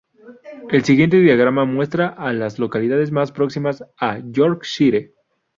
El siguiente diagrama muestra a las localidades más próximas a Yorkshire.